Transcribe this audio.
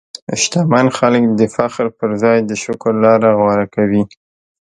شتمن خلک د فخر پر ځای د شکر لاره غوره کوي.